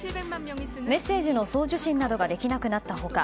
メッセージの送受信などができなくなった他